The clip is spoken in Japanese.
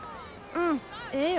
うんええよ。